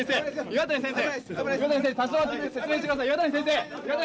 岩谷先生